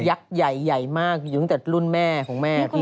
ใหญ่ใหญ่มากอยู่ตั้งแต่รุ่นแม่ของแม่พี่